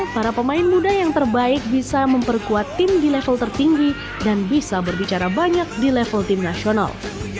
para pemain muda yang terbaik bisa memperkuat tim di level tertinggi dan bisa berbicara banyak di level tim nasional